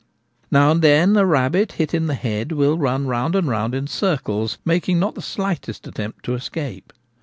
Now and then a rabbit hit in the head will run round and round in circles, making not the slightest attempt to escape.